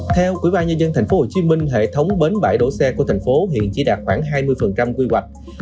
theo quỹ ba nhân dân tp hcm hệ thống bến bãi đổ xe của thành phố hiện chỉ đạt khoảng hai mươi quy hoạch